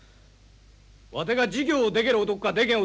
わてが事業でける男かでけん